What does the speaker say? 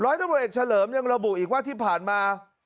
ตำรวจเอกเฉลิมยังระบุอีกว่าที่ผ่านมา